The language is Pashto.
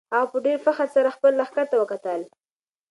هغه په ډېر فخر سره خپل لښکر ته وکتل.